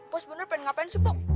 pok sebenernya pengen ngapain sih pok